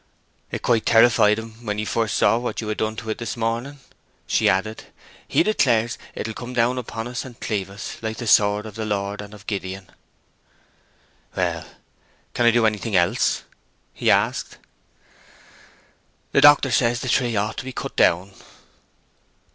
"It quite terrified him when he first saw what you had done to it this morning," she added. "He declares it will come down upon us and cleave us, like 'the sword of the Lord and of Gideon.'" "Well; can I do anything else?" asked he. "The doctor says the tree ought to be cut down."